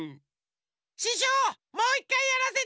ししょうもういっかいやらせて！